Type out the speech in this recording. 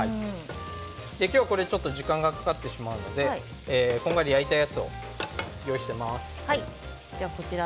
今日は時間がかかってしまうのでこんがり焼いたやつを用意しています。